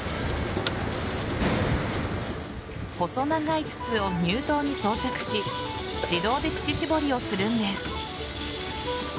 細長い筒を乳頭に装着し自動で乳搾りをするんです。